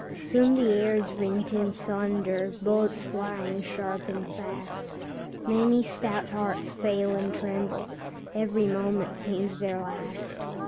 Soon the air is rent in sunder, Bullets flying sharp and fast, Many stout hearts fail and tremble, Every moment seems their last.